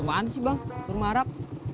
apaan sih bang kurma arab